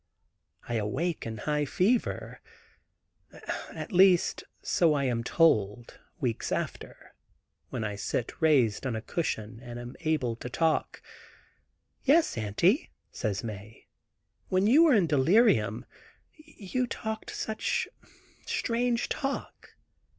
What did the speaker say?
I awake in high fever; at least so I am told, weeks after, when I sit raised on a cushion and am able to talk. "Yes, Auntie," says Mae, "when you were in delirium you talked such strange talk.